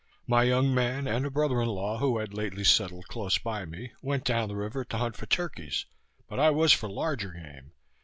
My young man, and a brother in law who had lately settled close by me, went down the river to hunt for turkeys; but I was for larger game.